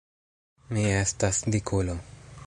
Mi estas dikulo!